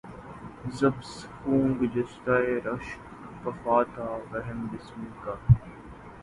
ز بس خوں گشتۂ رشک وفا تھا وہم بسمل کا